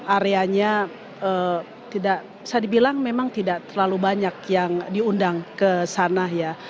areanya tidak bisa dibilang memang tidak terlalu banyak yang diundang ke sana ya